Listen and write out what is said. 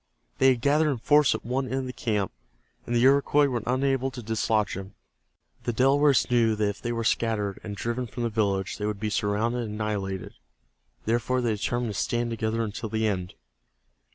They had gathered in force at one end of the camp, and the Iroquois were unable to dislodge them. The Delawares knew that if they were scattered and driven from the village they would be surrounded and annihilated. Therefore, they determined to stand together until the end.